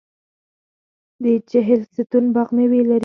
د چهلستون باغ میوې لري.